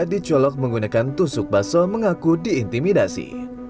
dicolok menggunakan tusuk baso mengaku diintimidasi